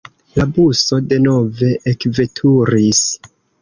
La buso denove ekveturis.